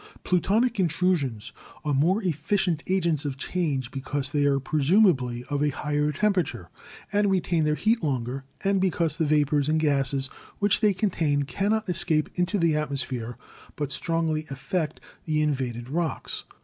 Plutonic intrusions are more efficient agents of change, because they are presumably of a higher temperature and re tain their heat longer, and because the vapors and gases which they contain cannot escape into the atmosphere but strongly affect the invaded rocks.